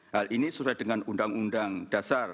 hal ini sesuai dengan undang undang dasar